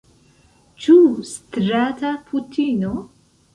Ĉu strata putino?